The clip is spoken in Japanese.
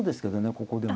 ここでも。